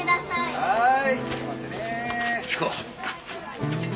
はい。